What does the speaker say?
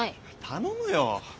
頼むよ。